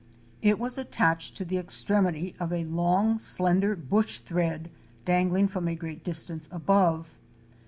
It was attached to the extremity of a long, slender bush thread dangling from a great distance above.